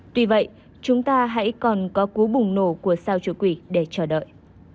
tuy vậy chúng ta hãy còn có cú bùng nổ của sao chủ quỷ để chờ đợi